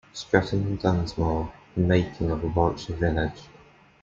"Stretton on Dunsmore: The Making of a Warwickshire Village".